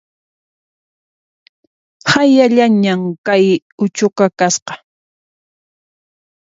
Hayallañan kay uchuqa kasqa